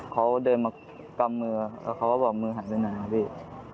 เขาเดินมากำมือแล้วเขาก็บอกมือหันไปไหนครับพี่